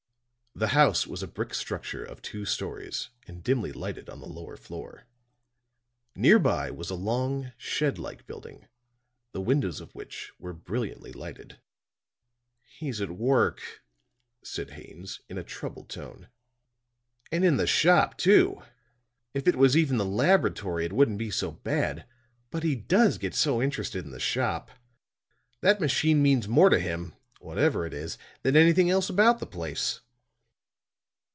The house was a brick structure of two stories and dimly lighted on the lower floor. Near by was a long, shed like building, the windows of which were brilliantly lighted. "He's at work," said Haines, in a troubled tone. "And in the shop too! If it was even the laboratory, it wouldn't be so bad. But he does get so interested in the shop. That machine means more to him, whatever it is, than anything else about the place."